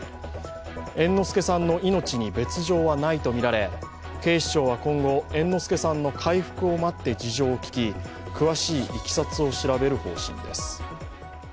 猿之助さんの命に別状はないとみられ、警視庁は今後、猿之助さんの回復を待って事情を聴き、詳しいいきさつを調べる方針です。